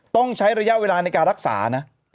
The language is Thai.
ต้องใช้ระยะเวลาในการรักษานะ